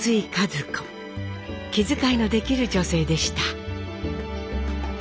気遣いのできる女性でした。